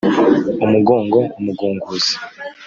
umugongo umugunguzi.